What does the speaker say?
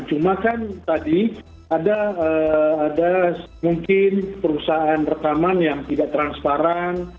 cuma kan tadi ada mungkin perusahaan rekaman yang tidak transparan